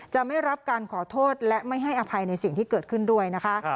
จะไม่รับการขอโทษและไม่ให้อภัยในสิ่งที่เกิดขึ้นด้วยนะคะ